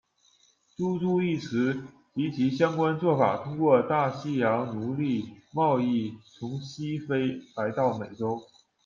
朱朱一词及其相关做法，通过大西洋奴隶贸易从西非来到美洲。